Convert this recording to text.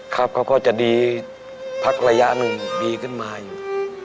เขาก็จะดีพักระยะหนึ่งดีขึ้นมาอยู่